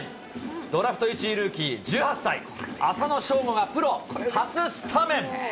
ドラフト１位ルーキー、１８歳、浅野翔吾がプロ初スタメン。